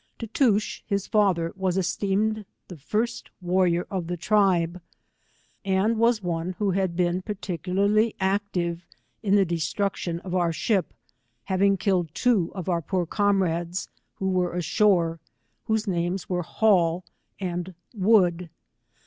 Tootooch, his father, was esteemed the first war* rior of the tribe, and was one who had been parti cularly active in the destruction of our ship, having killed two of our poor comrades, who were ashore/ whose names were Hall and Wood.